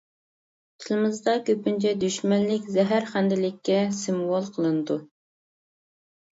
تىلىمىزدا كۆپىنچە دۈشمەنلىك، زەھەرخەندىلىككە سىمۋول قىلىنىدۇ.